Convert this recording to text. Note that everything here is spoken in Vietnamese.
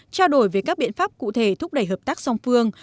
trao đổi về các biện pháp cụ thể thúc đẩy hợp tác song phương